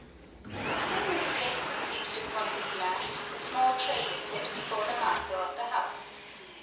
As soon as a guest is seated upon his mat, a small tray is set before the master of the house.